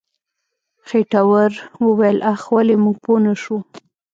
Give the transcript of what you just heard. خېټور وويل اخ ولې موږ پوه نه شو.